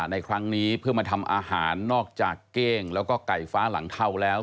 ในครั้งนี้เพื่อมาทำอาหารนอกจากเก้งแล้วก็ไก่ฟ้าหลังเทาแล้ว